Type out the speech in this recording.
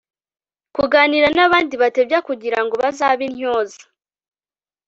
kuganira n'abandi batebya kugira ngo bazabe intyoza